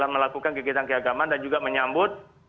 melakukan kegiatan keagamaan dan juga menyambut